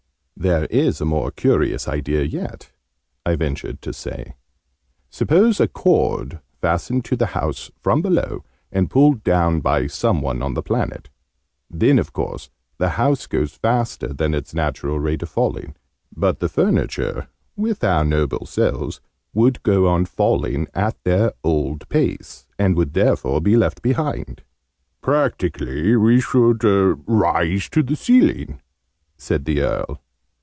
"There is a more curious idea yet," I ventured to say. "Suppose a cord fastened to the house, from below, and pulled down by some one on the planet. Then of course the house goes faster than its natural rate of falling: but the furniture with our noble selves would go on failing at their old pace, and would therefore be left behind." "Practically, we should rise to the ceiling," said the Earl.